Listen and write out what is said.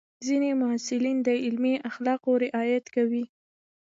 ځینې محصلین د علمي اخلاقو رعایت کوي.